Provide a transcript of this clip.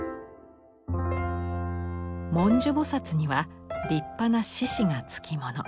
文殊菩には立派な獅子が付き物。